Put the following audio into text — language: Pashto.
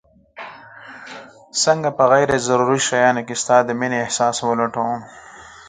څنګه په غير ضروري شيانو کي ستا د مينې احساس ولټوم